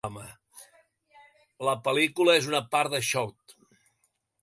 La pel·lícula és una part de Shout!